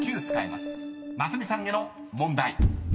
［ますみさんへの問題］